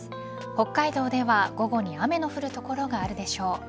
北海道では午後に雨が降る所があるでしょう。